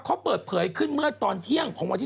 เขาเปิดเผยขึ้นเมื่อตอนเที่ยง